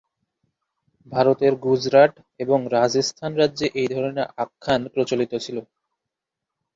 ভারতের গুজরাট এবং রাজস্থান রাজ্যে এই ধরনের আখ্যান প্রচলিত ছিল।